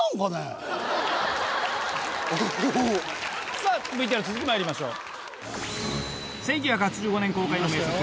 さぁＶＴＲの続きまいりましょう。